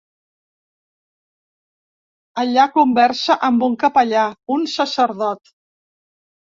Allà conversa amb un capellà, un sacerdot.